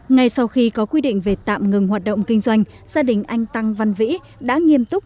ngay sau khi có quy định về tạm ngừng hoạt động kinh doanh gia đình anh tăng văn vĩ đã nghiêm túc